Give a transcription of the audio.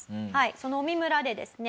その麻績村でですね